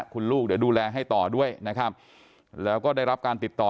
คุณลูกเดี๋ยวดูแลให้ต่อด้วยนะครับแล้วก็ได้รับการติดต่อ